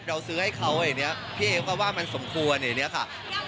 เราซื้อให้เขาอย่างนี้พี่เอก็ว่ามันสมควรอย่างนี้ค่ะ